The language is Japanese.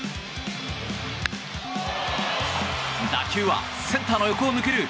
打球はセンターの横を抜ける！